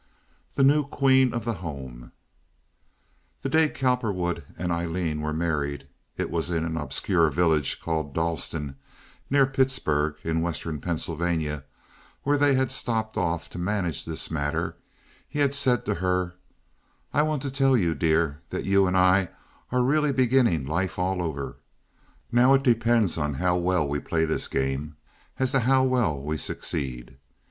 The New Queen of the Home The day Cowperwood and Aileen were married—it was in an obscure village called Dalston, near Pittsburg, in western Pennsylvania, where they had stopped off to manage this matter—he had said to her: "I want to tell you, dear, that you and I are really beginning life all over. Now it depends on how well we play this game as to how well we succeed.